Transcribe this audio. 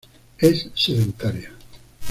Es sedentaria.